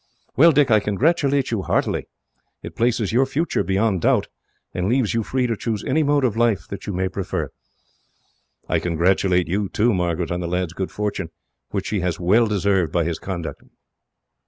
"Well, Dick, I congratulate you heartily. It places your future beyond doubt, and leaves you free to choose any mode of life that you may prefer. "I congratulate you, too, Margaret, on the lad's good fortune; which he has well deserved by his conduct.